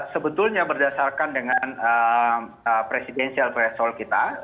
sebetulnya berdasarkan dengan presidensial threshold kita